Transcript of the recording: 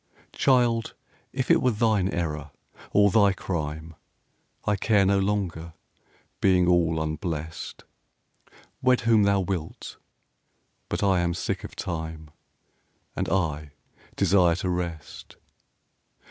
Child, if it were thine error or thy crime I care no longer, being all unblest: Wed whom thou wilt, but I am sick of Time, And I desire to rest.